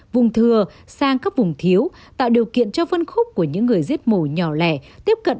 vùng thừa sang các vùng thiếu tạo điều kiện cho phân khúc của những người giết mổ nhỏ lẻ tiếp cận